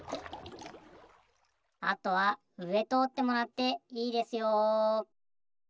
あとはうえとおってもらっていいですよ。